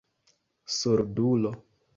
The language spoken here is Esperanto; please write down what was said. surdulo